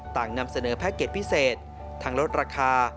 นำเสนอแพ็กเกจพิเศษทั้งลดราคา